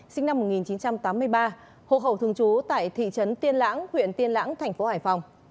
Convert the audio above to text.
sinh năm một nghìn chín trăm tám mươi ba hộ khẩu thường trú tại thị trấn tiên lãng huyện tiên lãng thành phố hải phòng